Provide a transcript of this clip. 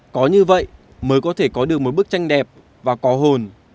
có như vậy mới có thể có được một bức tranh đẹp và có hồn